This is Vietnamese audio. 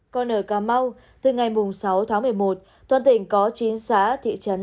còn ở cà mau từ ngày sáu tháng một mươi một toàn tỉnh có chín xã thị trấn